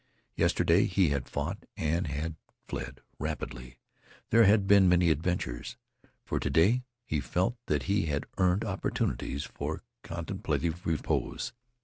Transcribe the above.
Yesterday he had fought and had fled rapidly. There had been many adventures. For to day he felt that he had earned opportunities for contemplative repose.